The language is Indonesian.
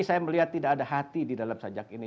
saya melihat tidak ada hati di dalam sajak ini